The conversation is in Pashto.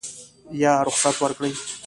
یا رخصت ورکړي.